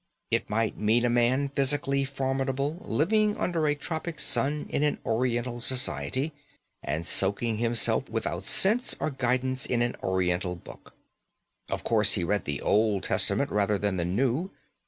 It might mean a man physically formidable living under a tropic sun in an Oriental society, and soaking himself without sense or guidance in an Oriental Book. Of course, he read the Old Testament rather than the New.